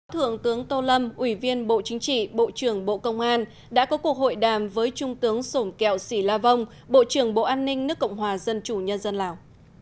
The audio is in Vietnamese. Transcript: thượng tướng tô lâm ủy viên bộ chính trị bộ trưởng bộ công an đã có cuộc hội đàm với trung tướng sổm kẹo sĩ la vong bộ trưởng bộ an ninh nước cộng hòa dân chủ nhân dân lào